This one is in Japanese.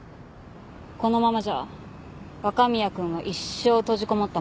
このままじゃ若宮君は一生閉じこもったままです。